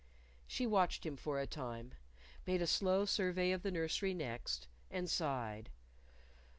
She watched him for a time; made a slow survey of the nursery next, and sighed.